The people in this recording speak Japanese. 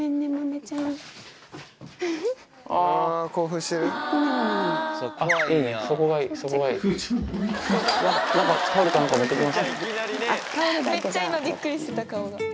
めっちゃ今びっくりしてた顔が。